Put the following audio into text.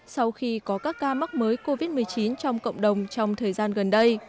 sau khi có các ca mắc mới covid một mươi chín trong cộng đồng trong thời gian gần đây